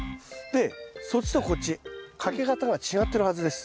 でそっちとこっちかけ方が違ってるはずです。